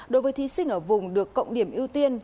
đối với thí sinh ở vùng được cộng điểm ưu tiên